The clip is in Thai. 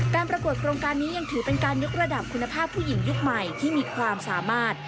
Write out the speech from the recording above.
ประกวดโครงการนี้ยังถือเป็นการยกระดับคุณภาพผู้หญิงยุคใหม่ที่มีความสามารถ